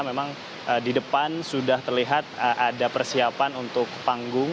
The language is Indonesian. memang di depan sudah terlihat ada persiapan untuk panggung